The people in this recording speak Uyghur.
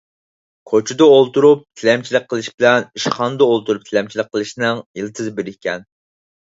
كوچىدا ئولتۇرۇپ تىلەمچىلىك قىلىش بىلەن ئىشخانىدا ئولتۇرۇپ تىلەمچىلىك قىلىشنىڭ يىلتىزى بىر ئىكەن.